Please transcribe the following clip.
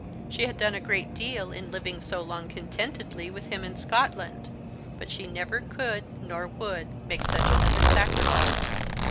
She had done a great deal in living so long contentedly with him in Scotland; but she never could nor would make such another sacrifice.